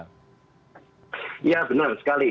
ya benar sekali